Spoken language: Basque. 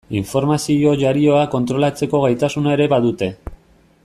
Informazio jarioa kontrolatzeko gaitasuna ere badute.